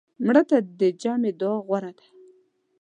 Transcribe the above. مړه ته د جمعې دعا غوره ده